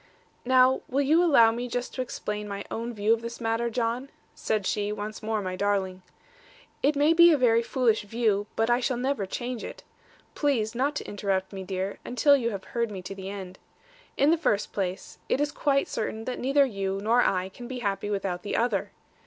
'Now, will you allow me just to explain my own view of this matter, John?' said she, once more my darling. 'It may be a very foolish view, but I shall never change it. Please not to interrupt me, dear, until you have heard me to the end. In the first place, it is quite certain that neither you nor I can be happy without the other.